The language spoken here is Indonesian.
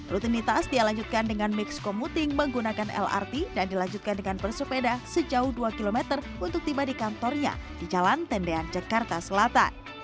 rutinitas dia lanjutkan dengan mix komuting menggunakan lrt dan dilanjutkan dengan bersepeda sejauh dua km untuk tiba di kantornya di jalan tendean jakarta selatan